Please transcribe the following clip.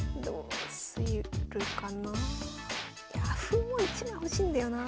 歩も１枚欲しいんだよな。